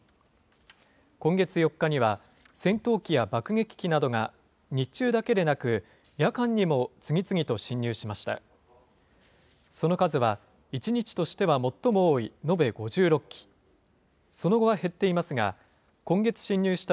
今月４日には、戦闘機や爆撃機などが日中だけでなく、夜間にも次々と進入しました。